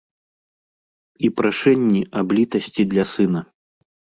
І прашэнні аб літасці для сына.